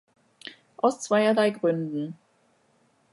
Aus zweierlei Gründen.